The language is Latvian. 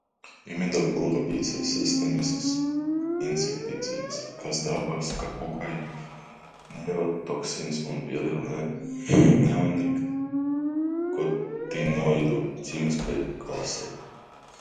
Imidakloprīds ir sistēmisks insekticīds, kas darbojas kā kukaiņu neirotoksīns un pieder neonikotinoīdu ķīmiskai klasei.